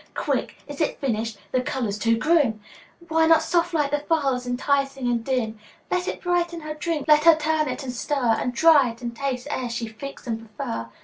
Quick is it finished? The colour's too grim! Why not soft like the phial's, enticing and dim? Let it brighten her drink, let her turn it and stir, And try it and taste, ere she fix and prefer!